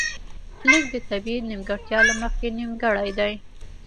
ليک د طبیعي نیمګړتیا له مخې نیمګړی دی